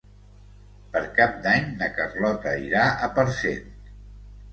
Per Cap d'Any na Carlota irà a Parcent.